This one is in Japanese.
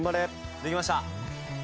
できました。